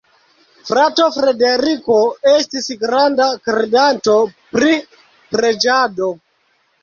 Frato Frederiko estis granda kredanto pri preĝado.